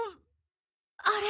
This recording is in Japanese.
あれ？